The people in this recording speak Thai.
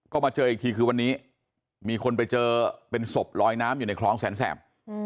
ก็มาเจออีกทีคือวันนี้มีคนไปเจอเป็นศพลอยน้ำอยู่ในคลองแสนแสบ